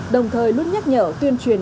đồng thời luôn nhắc nhở tuyên truyền